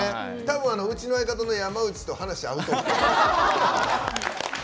たぶんうちの相方の山内と話合うと思う。